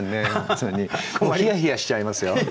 ひやひやしちゃいますよ。